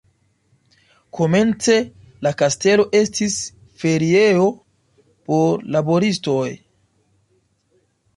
Komence la kastelo estis feriejo por laboristoj.